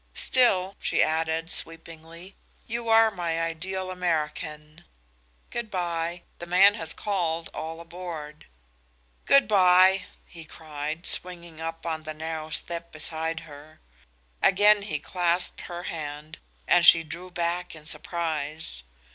"Still," she added, sweepingly, "you are my ideal American. Good by! The man has called 'all aboard!'" "Good by!" he cried, swinging up on the narrow step beside her. Again he clasped her hand as she drew back in surprise.